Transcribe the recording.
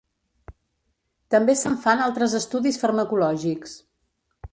També se'n fan altres estudis farmacològics.